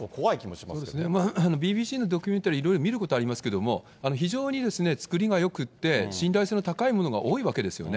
そうですね、ＢＢＣのドキュメンタリー、いろいろ見ることはありますけれども、非常に作りがよくて、信頼性の高いものが多いわけですよね。